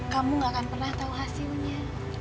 kamu gak akan pernah tahu hasilnya